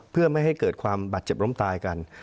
เพื่อไม่ให้เกิดความบาดเจ็บล้มตายกัน